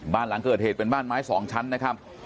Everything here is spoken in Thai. บ้านหลังเกิดเหตุเป็นบ้านไม้๒ชั้นนะครับ